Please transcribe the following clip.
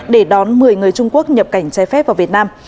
để đón một mươi người trung quốc nhập cảnh trái phép vào việt nam